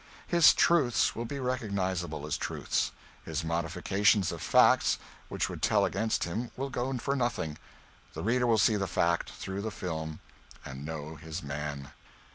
His truths will be recognizable as truths, his modifications of facts which would tell against him will go for nothing, the reader will see the fact through the film and know his man.